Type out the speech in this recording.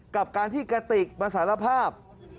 กับการที่กระติกมาสารภาพ